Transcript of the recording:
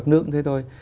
các nước cũng thế thôi